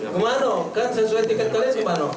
kemana kan sesuai tiket koles kemana